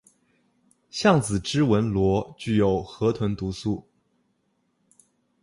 橡子织纹螺具有河鲀毒素。